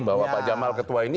bahwa pak jamal ketua ini